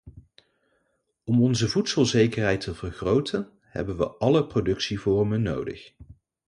Om onze voedselzekerheid te vergroten hebben we alle productievormen nodig.